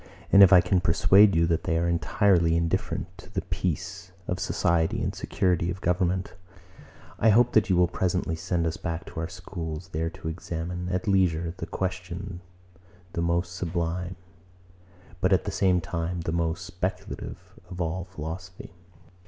And if I can persuade you, that they are entirely indifferent to the peace of society and security of government, I hope that you will presently send us back to our schools, there to examine, at leisure, the question the most sublime, but at the same time, the most speculative of all philosophy.